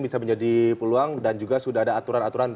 bisa menjadi peluang dan juga sudah ada aturan aturan